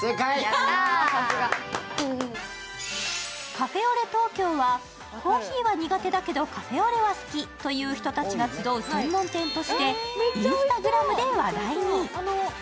ＣａｆｅａｕｌａｉｔＴＯＫＹＯはコーヒーは苦手だけどカフェオレは好きという人たちが集う専門店としてＩｎｓｔａｇｒａｍで話題に。